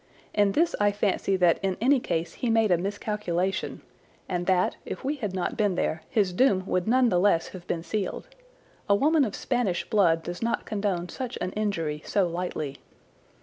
In this I fancy that in any case he made a miscalculation, and that, if we had not been there, his doom would none the less have been sealed. A woman of Spanish blood does not condone such an injury so lightly.